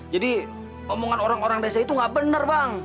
jadi omongan orang orang desa itu gak bener bang